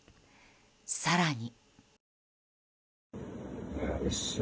更に。